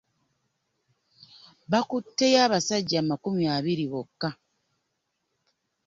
Bakutteyo abasajja amakumi abiri bokka.